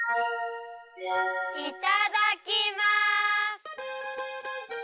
いただきます！